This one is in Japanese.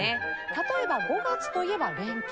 例えば「５月」といえば「連休」。